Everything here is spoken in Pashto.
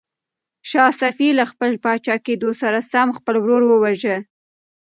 شاه صفي له خپل پاچا کېدلو سره سم خپل ورور وواژه.